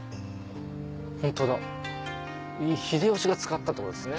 ホントだ秀吉が使ったってことですね。